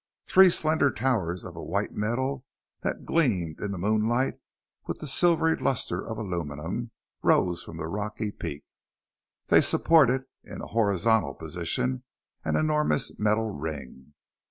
Three slender towers, of a white metal that gleamed in the moonlight with the silvery luster of aluminum, rose from the rocky peak. They supported, in a horizontal position, an enormous metal ring.